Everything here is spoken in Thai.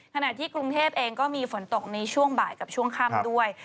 ขณะที่กรุงเทพเองก็มีฝนตกในช่วงบ่ายกับช่วงค่ำด้วย